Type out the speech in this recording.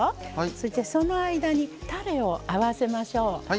そして、その間にたれを合わせましょう。